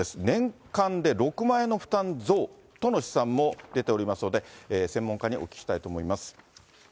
年間で６万円の負担増との試算も出ておりますので、専門家にお聞きしたいと思います。